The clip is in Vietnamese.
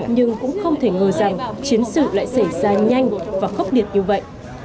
nhưng cũng không thể ngờ rằng chiến sự lại xảy ra nhanh và khốc liệt như vậy